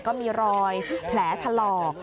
ก็มีรอยแผลถลอก